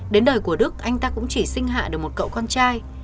đến đời của đức anh ta cũng chỉ sinh hạ được một cậu con trai